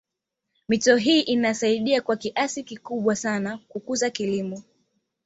Mito hii inasaidia kwa kiasi kikubwa sana kukuza kilimo